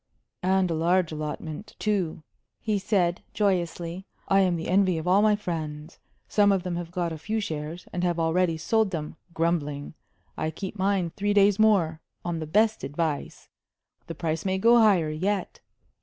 "And a large allotment, too," he said, joyously. "I am the envy of all my friends. Some of them have got a few shares, and have already sold them grumbling. I keep mine three days more on the best advice the price may go higher yet.